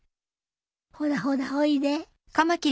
ほらほらおいで。